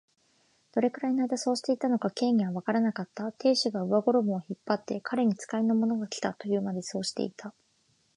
どれくらいのあいだそうしていたのか、Ｋ にはわからなかった。亭主が上衣を引っ張って、彼に使いの者がきた、というまで、そうしていた。